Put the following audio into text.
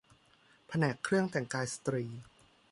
แผนกเครื่องแต่งกายสตรี